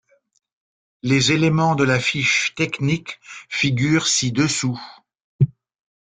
Les éléments de la fiche technique figurent ci-dessous.